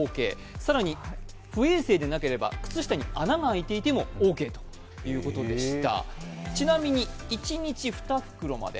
更に不衛生でなければ靴下に穴が開いていてもオーケーということでした。